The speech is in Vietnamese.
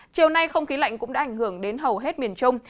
chiều nay không khí lạnh cũng đã ảnh hưởng đến hầu hết miền trung